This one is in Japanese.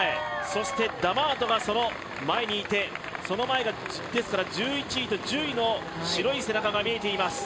そしてダマートがその前にいてその前が１１位と１０位の白い背中が見えています。